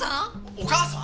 お母さん？